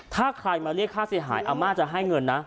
ถ้าใครมาเรียกค่าเสียหายอาม่าจะให้เงินนะ